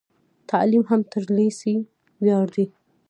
تعلیم هم تر لیسې وړیا دی.